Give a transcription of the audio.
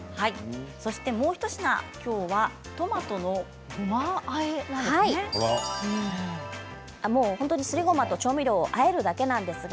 そして、もう一品トマトのごまあえなんですね。